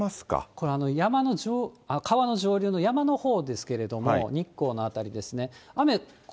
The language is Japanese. これ川の上流の山のほうですけれども、日光の辺りですね。